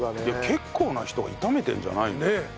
結構な人が炒めてんじゃないの？